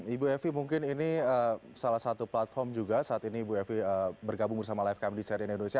ibu evi mungkin ini salah satu platform juga saat ini ibu evi bergabung bersama lifecam di serian indonesia